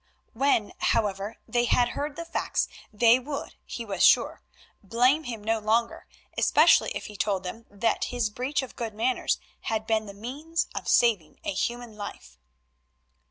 When, however, they had heard the facts they would, he was sure, blame him no longer, especially if he told them that this breach of good manners had been the means of saving a human life.